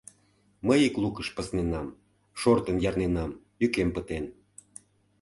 Мый ик лукыш пызненам, шортын ярненам — йӱкем пытен.